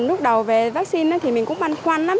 lúc đầu về vaccine thì mình cũng băn khoăn lắm